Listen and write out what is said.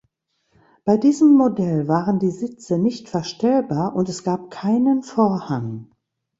Bei diesem Modell waren die Sitze nicht verstellbar und es gab keinen Vorhang.